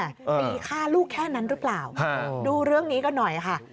ตีฆ่าลูกแค่นั้นหรือเปล่าดูเรื่องนี้กันหน่อยค่ะ